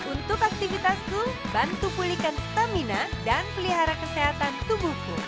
untuk aktivitasku bantu pulihkan stamina dan pelihara kesehatan tubuhku